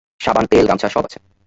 সাবান, তেল, গামছা সব আছে।